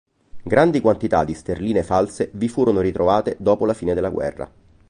Grandi quantità di sterline false vi furono ritrovate dopo la fine della guerra.